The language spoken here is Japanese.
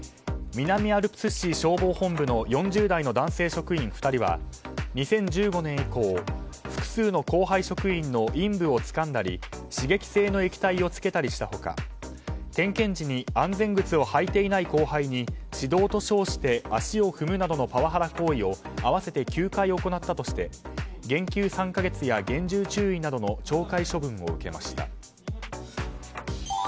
南アルプス市消防本部の４０代の男性職員２人は２０１５年以降複数の後輩職員の陰部をつかんだり刺激性の液体をつけたりした他点検時に安全靴を履いていない後輩に指導と称して足を踏むなどのパワハラ行為を合わせて９回行ったとして減給３か月や厳重注意などの懲戒処分を受けました。